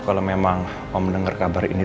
kalau memang om denger kabar ini